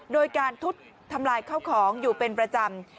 โดยการทุดทำลายข้าวของอยู่เป็นประจำ